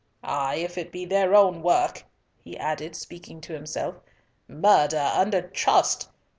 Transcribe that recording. Ay, if it be their own work!" he added, speaking to himself, "Murder under trust!